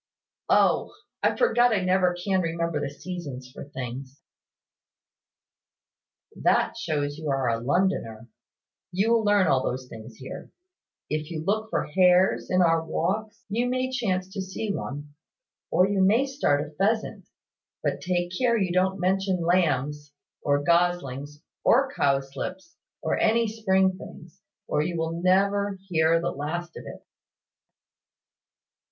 "O, I forgot I never can remember the seasons for things." "That shows you are a Londoner. You will learn all those things here. If you look for hares in our walks, you may chance to see one; or you may start a pheasant; but take care you don't mention lambs, or goslings, or cowslips, or any spring things; or you will never hear the last of it."